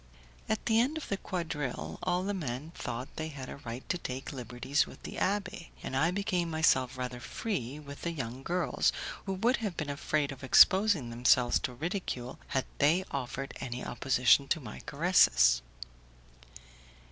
At the end of the quadrille all the men thought they had a right to take liberties with the abbé, and I became myself rather free with the young girls, who would have been afraid of exposing themselves to ridicule had they offered any opposition to my caresses.